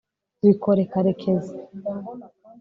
bikore, karekezi